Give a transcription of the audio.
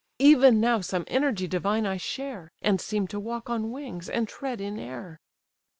Even now some energy divine I share, And seem to walk on wings, and tread in air!"